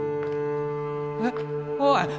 えっおい！